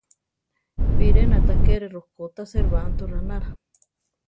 Biré natagere rokó ta, Serbanto ránara.